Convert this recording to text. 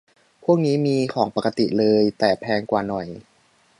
พวกนี้มีของปกติเลย แต่แพงกว่าหน่อย